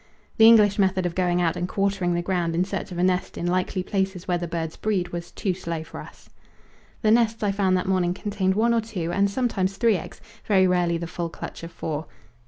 The English method of going out and quartering the ground in search of a nest in likely places where the birds breed was too slow for us. The nests I found that morning contained one or two and sometimes three eggs very rarely the full clutch of four.